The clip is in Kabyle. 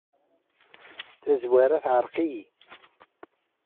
Tazwara teɛreq-iyi.